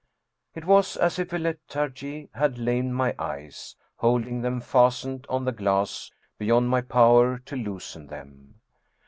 It was as if a lethargy had lamed my eyes, holding them fastened on the glass beyond my power to loosen them.